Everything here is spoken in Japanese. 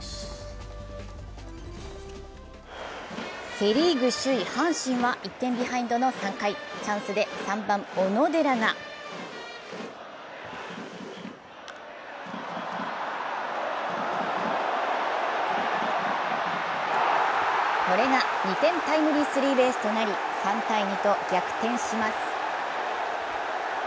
セ・リーグ首位・阪神は１点ビハインドの３回、チャンスで３番・小野寺がこれで２点タイムリースリーベースとなり３−２と逆転します。